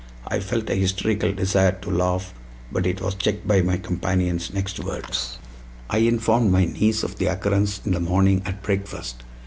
I felt a hysterical desire to laugh, but it was checked by my companion's next words. "I informed my niece of the occurrence in the morning at breakfast.